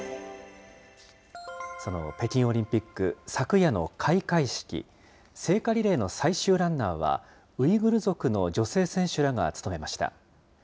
その北京オリンピック、昨夜の開会式、聖火リレーの最終ランナーはウイグル族の女性選手らが務めました。